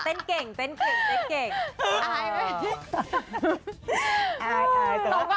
เออเต้นเก่งเต้นเก่งเต้นเก่ง